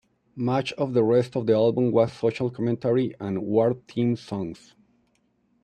Much of the rest of the album was social commentary and war-themed songs.